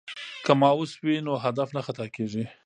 که ماوس وي نو هدف نه خطا کیږي.